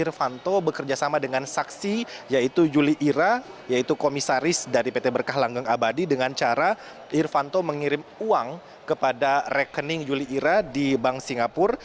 irfanto bekerjasama dengan saksi yaitu juli ira yaitu komisaris dari pt berkah langgang abadi dengan cara irfanto mengirim uang kepada rekening yuli ira di bank singapura